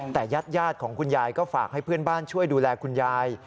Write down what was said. แต่ญาติของคุณยายก็ฝากให้เพื่อนบ้านช่วยดูแลคุณยาย